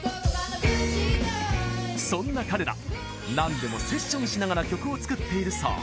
そんな彼ら、なんでもセッションしながら曲を作っているそう。